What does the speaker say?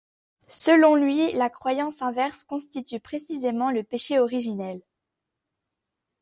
Selon lui, la croyance inverse constitue précisément le péché originel.